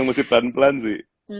emosi pelan pelan sih